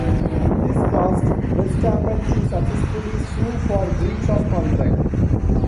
This caused Verstappen to successfully sue for breach of contract.